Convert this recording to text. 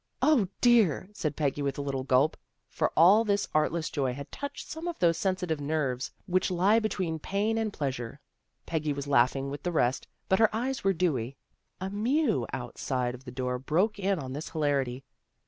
" The dear! " said Peggy with a little gulp, for all this artless joy had touched some of those sensitive nerves which he between pain and pleasure. Peggy was laughing with the rest, but her eyes were dewy. A mew outside of the door broke in on this hilarity.